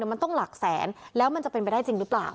มันต้องหลักแสนแล้วมันจะเป็นไปได้จริงหรือเปล่า